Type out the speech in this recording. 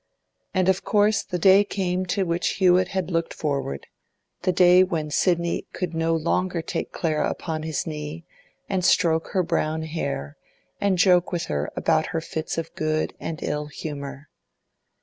And of course the day came to which Hewett had looked forward—the day when Sidney could no longer take Clara upon his knee and stroke her brown hair and joke with her about her fits of good and ill humour.